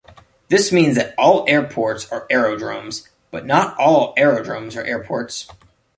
This means that all airports are aerodromes, but not all aerodromes are airports.